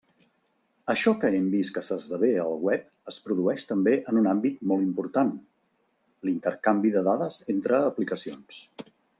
Això que hem vist que s'esdevé al web es produeix també en un àmbit molt important: l'intercanvi de dades entre aplicacions.